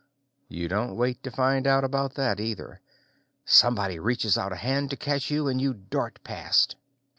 You don't wait to find out about that, either. Somebody reaches out a hand to catch you and you dart past.